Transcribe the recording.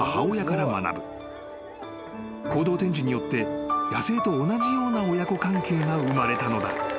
［行動展示によって野生と同じような親子関係が生まれたのだ］